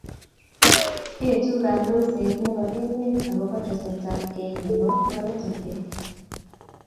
eetu kandoiset nebo emet akobo tesetab kei nebo oret ab beek